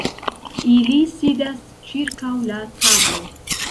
Ili sidas ĉirkaŭ la tablo.